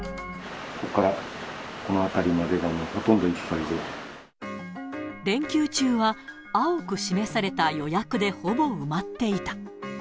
ここからこのあたりまで、連休中は、青く示された予約でほぼ埋まっていた。